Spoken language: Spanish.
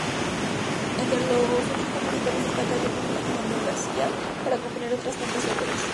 Entre los otros compositores destacan: Jommelli y Manuel García, para componer otras tantas óperas.